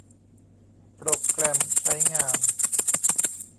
โปรแกรมใช้งาน